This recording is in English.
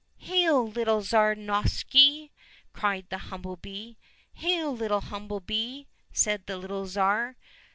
" Hail, little Tsar Novishny !" cried the humble bee. —" Hail, little humble bee !" said the little Tsar.